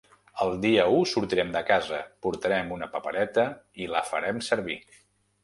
El dia u sortirem de casa, portarem una papereta i la farem servir.